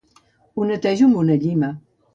Ho netejo amb una llima.